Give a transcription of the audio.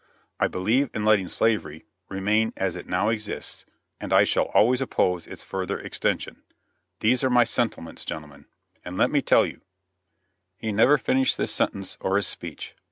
I believe in letting slavery remain as it now exists, and I shall always oppose its further extension. These are my sentiments, gentlemen and let me tell you " He never finished this sentence, or his speech.